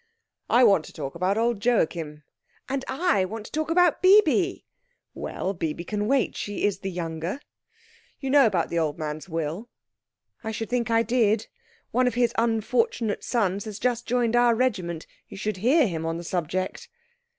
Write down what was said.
"I want to talk about old Joachim." "And I want to talk about Bibi." "Well, Bibi can wait. She is the younger. You know about the old man's will?" "I should think I did. One of his unfortunate sons has just joined our regiment. You should hear him on the subject."